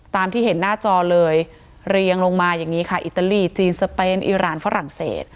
ตามที่เห็นหน้าจอเลยเรียงลงมาอย่างนี้ค่ะอิตาลีจีนสเปนอิราณฝรั่งเศส